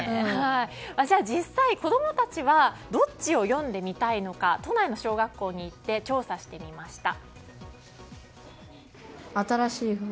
実際、子供たちはどっちを読んでみたいのか都内の小学校に行って調査してみました。